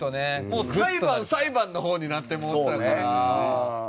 もう裁判裁判の方になってもうてたから。